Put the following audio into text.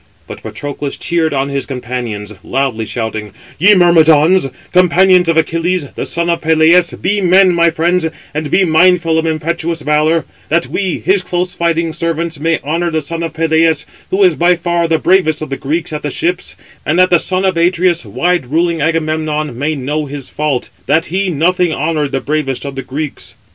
But Patroclus cheered on his companions, loudly shouting: "Ye Myrmidons, companions of Achilles, the son of Peleus, be men, my friends, and be mindful of impetuous valour; that we, his close fighting servants, may honour the son of Peleus, who is by far the bravest of the Greeks at the ships; and that the son of Atreus, wide ruling Agamemnon, may know his fault, that he nothing honoured the bravest of the Greeks."